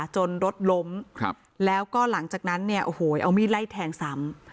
จนรถล้มแล้วก็หลังจากนั้นเนี่ยโอ้โหเอามีดไล่แทงซ้ำ